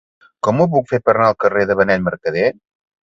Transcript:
Com ho puc fer per anar al carrer de Benet Mercadé?